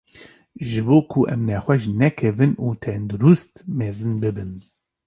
Ji bo ku em nexweş nekevin û tendurist mezin bibin.